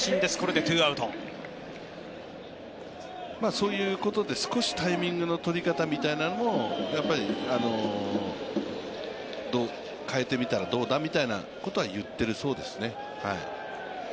そういうことで、少しタイミングの取り方みたいなのも変えてみたらどうだみたいなことは言っているそうですね。